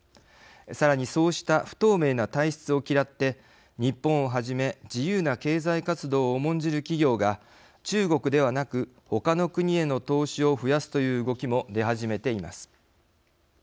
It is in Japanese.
さらにそうした不透明な体質を嫌って日本をはじめ自由な経済活動を重んじる企業が中国ではなく他の国への投資を増やすという動きも出始めています。